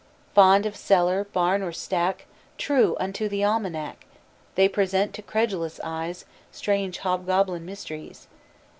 Fond of cellar, barn, or stack True unto the almanac, They present to credulous eyes Strange hobgoblin mysteries.